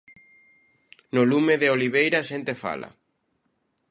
No lume de oliveira, a xente fala.